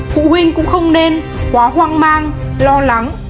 phụ huynh cũng không nên quá hoang mang lo lắng